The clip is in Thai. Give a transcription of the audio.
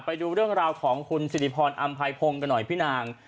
ไปดูเรื่องราวของคุณสิริพรอำไพพงศ์กันหน่อยพี่นาง